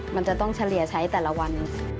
มันจะต้องเฉลี่ยใช้แต่ละวัน